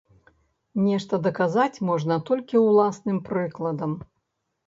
Нешта даказаць можна толькі ўласным прыкладам.